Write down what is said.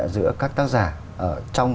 giữa các tác giả ở trong